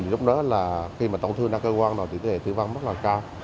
lúc đó là khi mà tổn thương đa cơ quan rồi thì tỷ lệ tử vong rất là cao